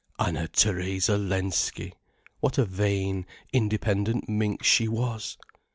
"Anna Theresa Lensky"—what a vain, independent minx she was!